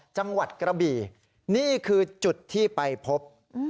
จังหวัดกระบี่นี่คือจุดที่ไปพบ